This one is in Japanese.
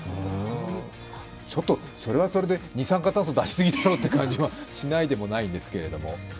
ちょっと、それはそれで二酸化炭素出しすぎだろうという気がしないでもないんですが。